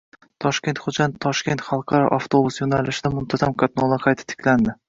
Toshkent–Xo‘jand–Toshkent xalqaro avtobus yo‘nalishida muntazam qatnovlar qayta tiklandi